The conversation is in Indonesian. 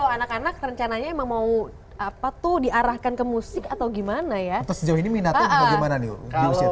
anak anak rencananya mau apa tuh diarahkan ke musik atau gimana ya sejauh ini minatnya gimana